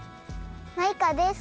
マイカです。